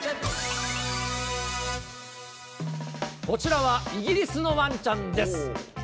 こちらは、イギリスのワンちゃんです。